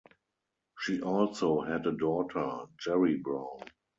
She also had a daughter, Jeri Brown.